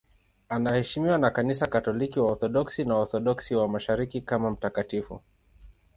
Anaheshimiwa na Kanisa Katoliki, Waorthodoksi na Waorthodoksi wa Mashariki kama mtakatifu.